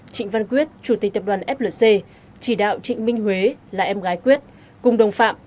trịnh văn quyết chủ tịch tập đoàn flc chỉ đạo trịnh minh huế là em gái quyết cùng đồng phạm